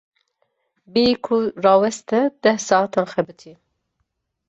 Bêyî ku raweste deh saetan xebitî.